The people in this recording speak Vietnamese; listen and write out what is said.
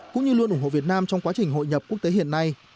cũng như luôn ủng hộ việt nam trong quá trình hội nhập quốc tế hiện nay